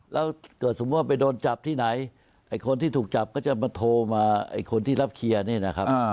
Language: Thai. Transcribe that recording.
แล้วเกิดสมมุติว่าไปโดนจับที่ไหนไอ้คนที่ถูกจับก็จะมาโทรมาไอ้คนที่รับเคลียร์นี่นะครับ